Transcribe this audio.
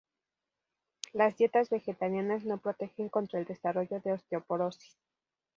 Las dietas vegetarianas no protegen contra el desarrollo de osteoporosis.